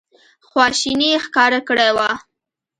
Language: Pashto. خواشیني ښکاره کړې وه.